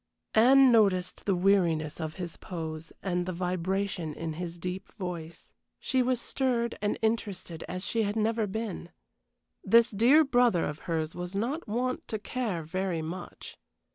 Anne noticed the weariness of his pose and the vibration in his deep voice. She was stirred and interested as she had never been. This dear brother of hers was not wont to care very much.